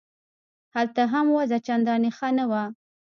هلته هم وضع چندانې ښه نه وه.